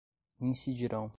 incidirão